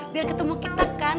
biar ketemu kita kan